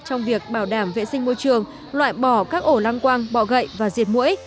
trong việc bảo đảm vệ sinh môi trường loại bỏ các ổ năng quang bò gậy và diệt mũi